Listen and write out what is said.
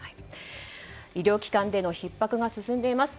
医療機関でのひっ迫が進んでいます。